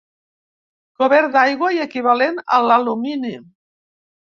Cobert d'aigua i equivalent a l'alumini.